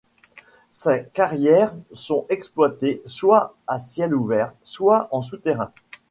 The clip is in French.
Ces carrières sont exploitées soit à ciel ouvert, soit en souterrain.